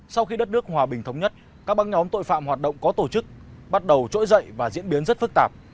sau khi đất nước hòa bình thống nhất các băng nhóm tội phạm hoạt động có tổ chức bắt đầu trỗi dậy và diễn biến rất phức tạp